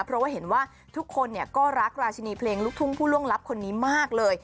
เพราะว่าเห็นว่าทุกคนก็รักราชินีเพลงลูกทุ่งผู้ล่วงลับคนนี้มากเลย